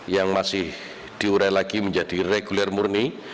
yang masih diurai lagi menjadi reguler murni